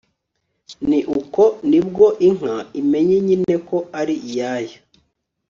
ni uko ni bwo inka imenye nyine ko ari iyayo